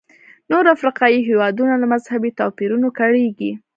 نور افریقایي هېوادونه له مذهبي توپیرونو کړېږي.